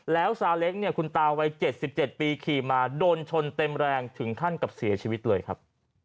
แล้วซาเล้งเนี่ยคุณตาวัย๗๗ปีขี่มาโดนชนเต็มแรงถึงขั้นกับเสียชีวิตเลยครับ